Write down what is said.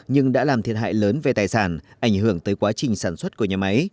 nhưng đã làm thiệt hại lớn về tài sản ảnh hưởng tới quá trình sản xuất của nhà máy